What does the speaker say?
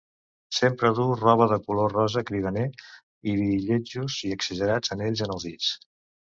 Sempre duu roba de color rosa cridaner, i lletjos i exagerats anells en els dits.